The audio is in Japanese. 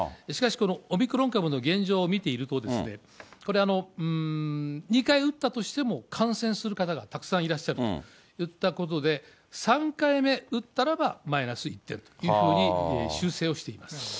しかしこのオミクロン株の現状を見ていると、これ、２回打ったとしても、感染する方がたくさんいらっしゃるといったことで、３回目打ったらばマイナス１点というふうに修正をしています。